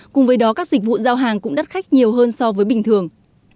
cùng với đó các dịch vụ giao hàng cũng đắt khách nhiều hơn so với bình thường